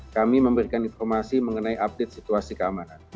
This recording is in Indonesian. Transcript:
kami memberikan informasi mengenai update situasi keamanan